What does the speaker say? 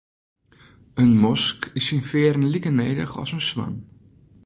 In mosk is syn fearen like nedich as in swan.